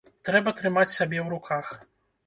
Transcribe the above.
Трэба трымаць сябе ў руках.